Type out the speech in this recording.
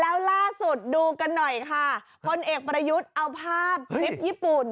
แล้วล่าสุดดูกันหน่อยค่ะพลเอกประยุทธ์เอาภาพทริปญี่ปุ่น